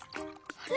あれ？